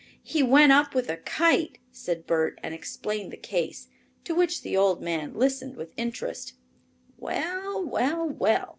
"He went up with a kite," said Bert, and explained the case, to which the old man listened with interest. "Well! well! well!"